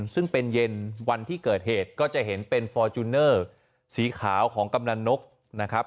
ซึ่งเป็นเย็นวันที่เกิดเหตุก็จะเห็นเป็นฟอร์จูเนอร์สีขาวของกำนันนกนะครับ